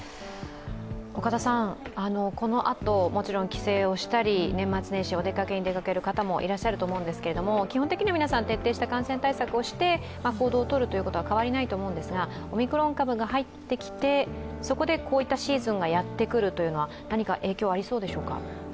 このあともちろん帰省をしたり年末年始お出かけに出かける方もいらっしゃると思うんですけれども、いらっしゃると思うんですけど基本的には皆さん徹底した感染対策をして行動を取ることは変わりないと思うんですが、オミクロン株が入ってきてそこでこういったシーズンがやってくるというのは何か影響がありそうでしょうか？